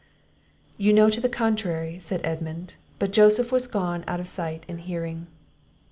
"You know to the contrary," said Edmund; but Joseph was gone out of sight and hearing.